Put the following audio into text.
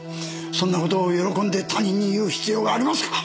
そんなことを喜んで他人に言う必要がありますか！